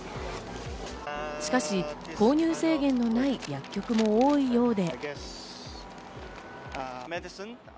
しかし、購入制限のない薬局も多いようで。